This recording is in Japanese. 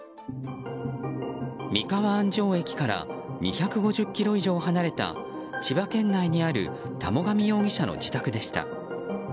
三河安城駅から２５０ｋｍ以上離れた千葉県内にある田母神容疑者の自宅でした。